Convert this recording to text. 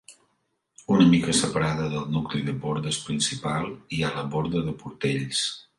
Una mica separada del nucli de bordes principal hi ha la Borda de Portells.